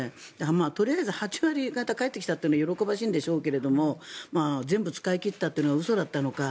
とりあえず８割方返ってきたというのは喜ばしいんでしょうけど全部使い切ったというのは嘘だったのか